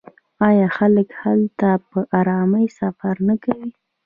آیا خلک هلته په ارامۍ سفر نه کوي؟